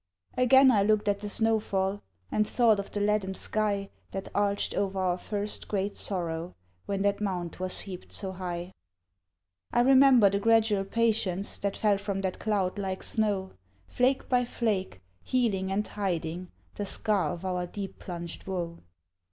Again I looked at the snow fall, And thought of the leaden sky That arched o'er our first great sorrow, When that mound was heaped so high. I remember the gradual patience That fell from that cloud like snow, Flake by flake, healing and hiding The scar of our deep plunged woe.